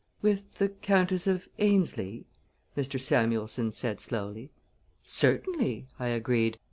"With the Countess of Aynesley?" Mr. Samuelson said slowly. "Certainly!" I agreed.